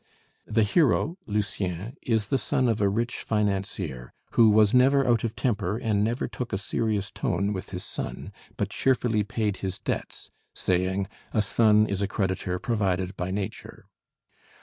The hero, Lucien, is the son of a rich financier, who "was never out of temper and never took a serious tone with his son," but cheerfully paid his debts, saying "A son is a creditor provided by nature."